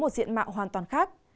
một diện mạo hoàn toàn khác